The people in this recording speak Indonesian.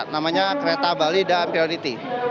namanya kereta bali dan priority